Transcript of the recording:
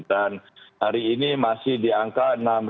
dan hari ini masih di angka enam empat ratus dua puluh tiga